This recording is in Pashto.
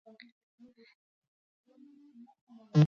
څېړنیزې سرچینې باید ځای پر ځای وای.